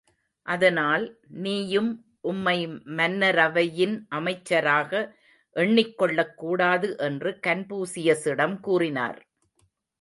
அதனால், நீயும் உம்மை மன்னரவையின் அமைச்சராக எண்ணிக் கொள்ளக் கூடாது என்று கன்பூசியசிடம் கூறினார்.